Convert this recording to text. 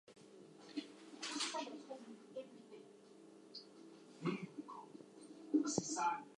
Why he abandoned the chimney remains a mystery.